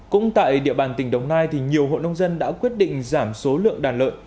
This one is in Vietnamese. cũng tại địa bàn tỉnh đồng nai nhiều hộ nông dân đã quyết định giảm số lượng đàn lợn